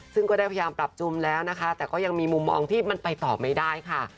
ซึ่งก็ได้พยายามปรับจูมแล้วนะคะแต่ก็ยังมีมุมมองที่มันไปต่อไม่ได้ค่ะ